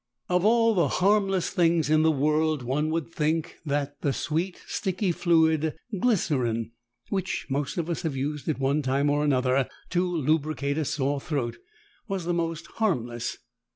Of all the harmless things in the world one would think that that sweet, sticky fluid, glycerine, which most of us have used at one time or another to lubricate a sore throat, was the most harmless.